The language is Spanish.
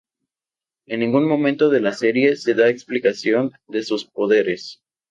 En ningún momento de la serie se da explicación de sus poderes.